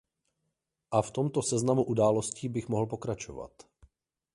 A v tomto seznamu událostí bych mohl pokračovat.